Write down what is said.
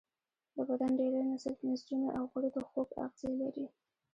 د بدن ډیری نسجونه او غړي د خوږ آخذې لري.